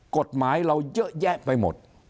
เขาก็ไปร้องเรียน